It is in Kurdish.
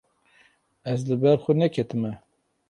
Ez li ber xwe neketime.